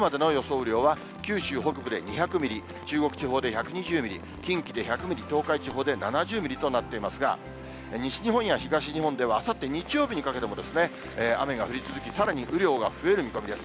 雨量は、九州北部で２００ミリ、中国地方で１２０ミリ、近畿で１００ミリ、東海地方で７０ミリとなっていますが、西日本や東日本ではあさって日曜日にかけても雨が降り続き、さらに雨量が増える見込みです。